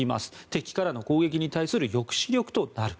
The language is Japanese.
敵からの攻撃に対する抑止力となる。